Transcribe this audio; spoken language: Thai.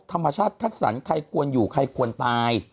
ธรรมชาติคัดสรรใครควรอยู่ใครควรตาย